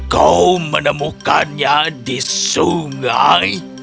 kau menemukannya di sungai